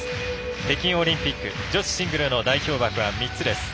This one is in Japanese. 北京オリンピック女子シングルの代表枠は３つです。